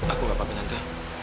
aku gak pake nanti